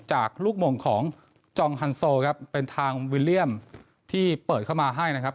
จากลูกหม่งของจองฮันโซครับเป็นทางวิลเลี่ยมที่เปิดเข้ามาให้นะครับ